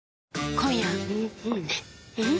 今夜はん